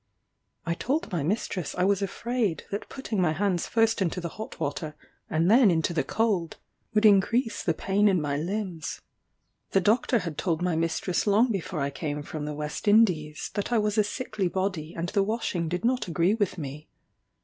I told my mistress I was afraid that putting my hands first into the hot water and then into the cold, would increase the pain in my limbs. The doctor had told my mistress long before I came from the West Indies, that I was a sickly body and the washing did not agree with me.